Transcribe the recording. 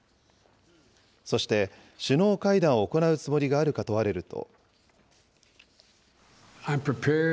そして、首脳会談を行うつもりがあるか問われると。